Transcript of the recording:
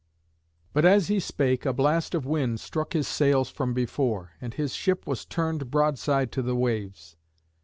But as he spake a blast of wind struck his sails from before, and his ship was turned broadside to the waves.